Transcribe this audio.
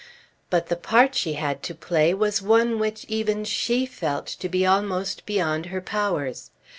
But the part she had to play was one which even she felt to be almost beyond her powers.